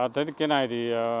thế thì cái này thì